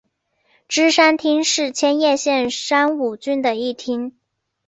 芝山町是千叶县山武郡的一町。